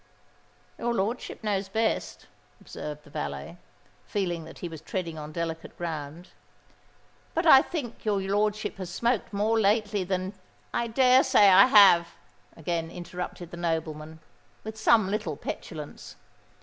"Your lordship knows best," observed the valet, feeling that he was treading on delicate ground. "But I think your lordship has smoked more lately than——" "I dare say I have," again interrupted the nobleman, with some little petulance.